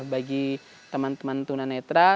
bagi teman teman tunanetra